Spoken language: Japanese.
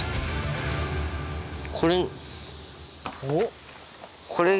これ。